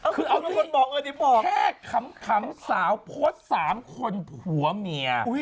แค่ขำสาวโพสท์๓คนหัวเมีย